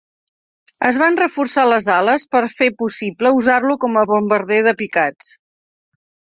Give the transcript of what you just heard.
Es van reforçar les ales per fer possible usar-lo com a bombarder de picats.